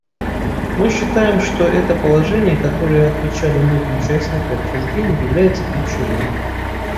Мы считаем, что это положение, которое отмечали многие участники обсуждения, является ключевым.